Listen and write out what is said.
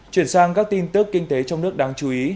chuyển sang các tin tức kinh tế trong nước đáng chú ý